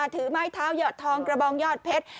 ถือไม้เท้าหยอดทองกระบองยอดเพชร